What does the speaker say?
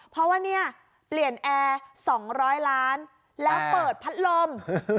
เพราะว่าเนี่ยเปลี่ยนแอร์๒๐๐ล้านแล้วเปิดพัดลม